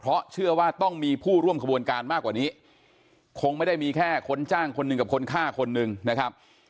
เพราะเชื่อว่าต้องมีผู้ร่วมขบวนการมากกว่านี้คงไม่ได้มีแค่คนจ้างคนหนึ่งกับคนฆ่าคนหนึ่งนะครับ